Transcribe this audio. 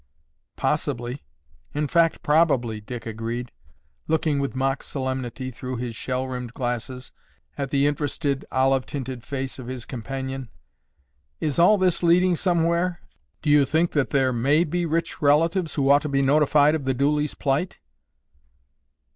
"Possibly. In fact probably," Dick agreed, looking with mock solemnity through his shell rimmed glasses at the interested, olive tinted face of his companion. "Is all this leading somewhere? Do you think that there may be rich relatives who ought to be notified of the Dooleys' plight?"